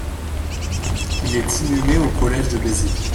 Il est inhumé au collège de Béziers.